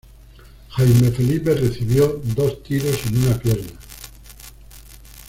Jaime Felipe, recibió dos tiros en una pierna.